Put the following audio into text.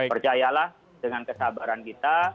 percayalah dengan kesabaran kita